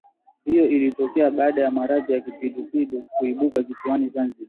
Hiyo ilitokea baada ya maradhi ya kipidupidu kuibuka kisiwani Zanzibar